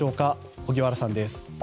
荻原さんです。